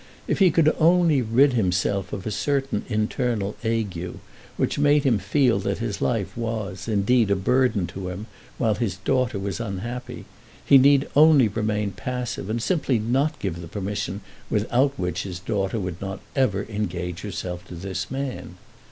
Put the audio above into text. If he could only rid himself of a certain internal ague which made him feel that his life was, indeed, a burden to him while his daughter was unhappy, he need only remain passive and simply not give the permission without which his daughter would not ever engage herself to this man.